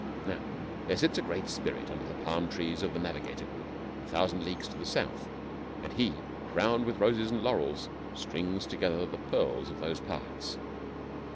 Now there sits a great spirit under the palm trees of the Navigator Group, a thousand leagues to the south, and he, crowned with roses and laurels, strings together the pearls of those parts.